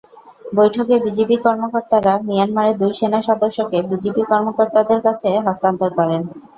বৈঠকে বিজিবি কর্মকর্তারা মিয়ানমারের দুই সেনাসদস্যকে বিজিপি কর্মকর্তাদের কাছে হস্তান্তর করেন।